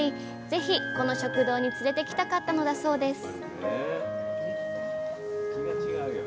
ぜひこの食堂に連れて来たかったのだそうです